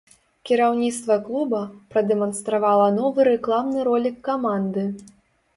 Кіраўніцтва клуба прадэманстравала новы рэкламны ролік каманды.